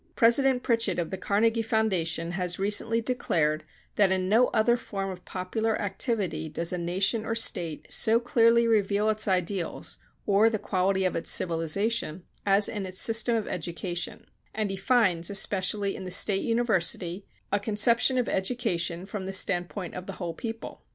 President Pritchett of the Carnegie Foundation has recently declared that in no other form of popular activity does a nation or State so clearly reveal its ideals or the quality of its civilization as in its system of education; and he finds, especially in the State University, "a conception of education from the standpoint of the whole people."